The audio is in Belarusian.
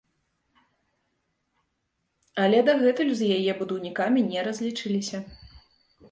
Але дагэтуль з яе будаўнікамі не разлічыліся.